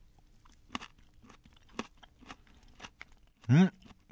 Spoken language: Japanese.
うん！